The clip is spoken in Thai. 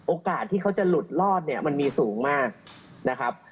โอกาสที่เขาจะหลุดรอดเนี่ยมันมีสูงมากนะครับ